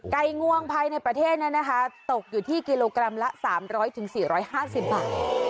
งวงภายในประเทศนั้นนะคะตกอยู่ที่กิโลกรัมละ๓๐๐๔๕๐บาท